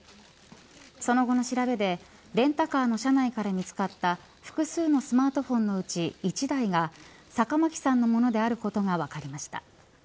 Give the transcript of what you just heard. その後の調べでレンタカーの車内から見つかった複数のスマートフォンのうち１台が坂巻さんの物であることが分かりました。